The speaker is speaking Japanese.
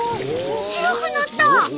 白くなった！